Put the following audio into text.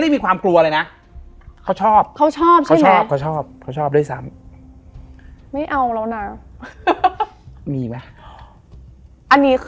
เดี๋ยวลิฟต์ก็ตกหรอก